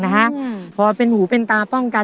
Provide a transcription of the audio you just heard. เมื่องหมื่นบาท